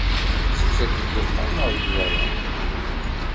Tettetteḍ deg wexxam neɣ deg beṛṛa?